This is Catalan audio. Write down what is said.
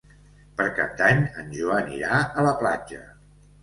Per Cap d'Any en Joan irà a la platja.